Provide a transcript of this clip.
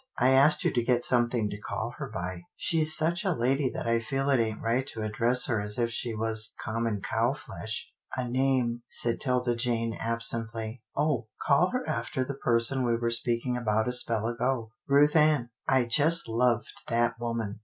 I asked you to get something to call her by. She's such a lady that I feel it ain't right to address her as if she was common cow flesh." " A name," said 'Tilda Jane, absently. " Oh ! call her after the person we were speaking about a spell ago — Ruth Ann, I just loved that woman."